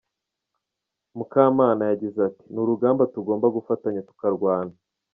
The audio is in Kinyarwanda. Mukamana yagize ati “Ni urugamba tugomba gufatanya tukarwana.